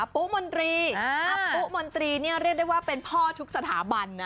อปูมณ์ตรีอปูมณ์ตรีนี้เรียกได้ว่าเป็นพ่อทุกสถาบันนะ